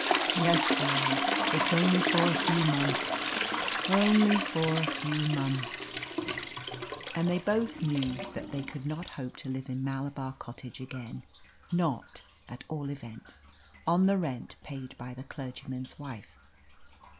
"Yes, dearie, it's only for a few months only for a few months." And they both knew that they could not hope to live in Malabar Cottage again not, at all events, on the rent paid by the clergyman's wife.